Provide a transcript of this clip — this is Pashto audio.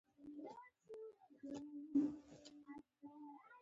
هر څومره چې فشار زیاتوالی مومي د غلیان نقطه لوړیږي.